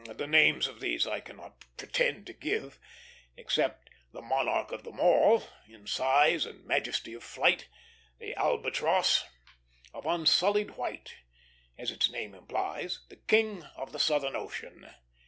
The names of these I cannot pretend to give, except the monarch of them all, in size and majesty of flight, the albatross, of unsullied white, as its name implies the king of the southern ocean.